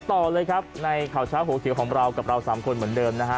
ต่อเลยครับในข่าวเช้าหัวเขียวของเรากับเราสามคนเหมือนเดิมนะฮะ